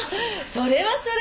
それはそれは！